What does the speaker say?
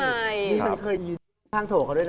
นี่ฉันเคยยืนข้างโถเขาด้วยนะ